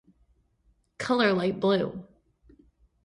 Color light blue.